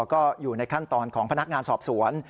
ก็อยู่ในขั้นตอนของพนักงานสอบสวน